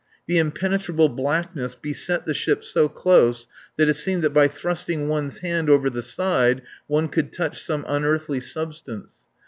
The impenetrable blackness beset the ship so close that it seemed that by thrusting one's hand over the side one could touch some unearthly substance.